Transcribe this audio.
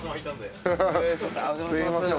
すいません。